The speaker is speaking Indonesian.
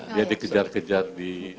dia dikejar kejar di